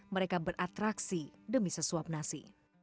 mereka beratraksi demi sesuap nasi